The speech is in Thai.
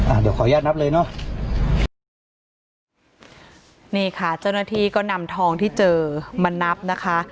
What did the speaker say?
เดี๋ยวขออนุญาตนับเลยเนอะนี่ค่ะเจ้าหน้าที่ก็นำทองที่เจอมานับนะคะ